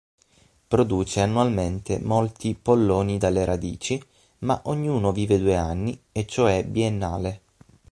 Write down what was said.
Produce annualmente molti polloni dalle radici, ma ognuno vive due anni, è cioè biennale.